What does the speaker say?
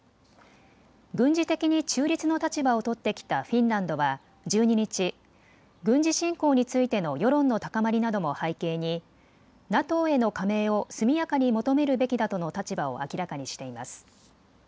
軍事的に中立の立場を取ってきたフィンランドは１２日、軍事侵攻についての世論の高まりなども背景にＮＡＴＯへの加盟を速やかに求めるべきだとの立場を明らかにしています。